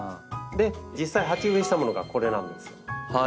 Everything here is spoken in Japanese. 実際鉢植えしたものがこれなんです。